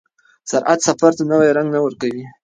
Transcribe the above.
سرعت سفر ته نوی رنګ نه ورکوي.